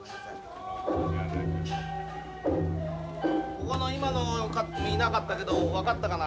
ここの今のカットいなかったけど分かったかな？